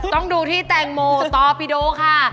ต้องดูที่แตงโมสตอปิโดค่ะ